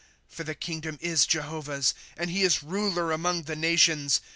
^® For the kingdom is Jehovah's, And he is ruler among the nations.